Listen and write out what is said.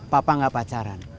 papa gak pacaran